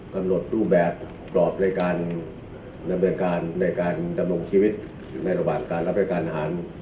กำหนดรูปแบบกรอบในการดำเนินการในการดำรงชีวิตในระหว่างการรับรายการอาหาร